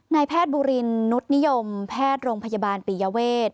นายแพทย์บุรินนุษย์นิยมแพทย์โรงพยาบาลปียเวท